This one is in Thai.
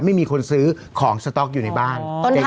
ไม่มีคนซื้อของสต๊อกอยู่ในบ้าน